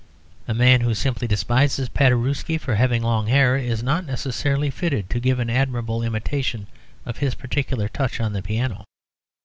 A man who simply despises Paderewski for having long hair is not necessarily fitted to give an admirable imitation of his particular touch on the piano.